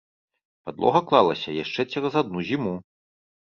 Падлога клалася яшчэ цераз адну зіму.